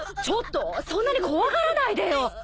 ちょっとそんなに怖がらないでよ！